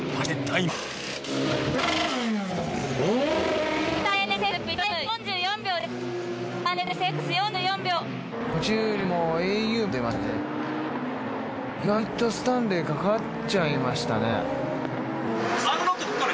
意外とスタンレーかかっちゃいましたね。